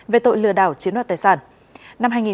về tội lừa đảo chiếm đoạt tài sản